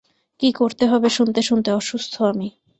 কী করতে হবে শুনতে শুনতে অসুস্থ আমি।